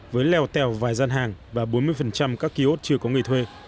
với leo tèo vài gian hàng và bốn mươi các kỳ ốt chưa có người thuê